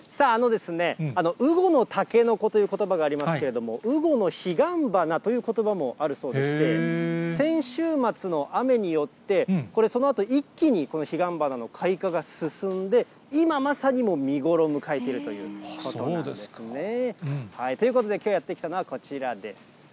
雨後のタケノコということばがありますけれども、雨後の彼岸花ということばもあるそうでして、先週末の雨によって、これ、そのあと一気に彼岸花の開花が進んで、今まさにもう見頃を迎えているということなんですね。ということできょうやって来たのはこちらです。